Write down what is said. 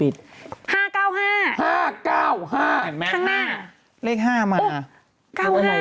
๕๙๕ทางหน้าเลข๕มานะ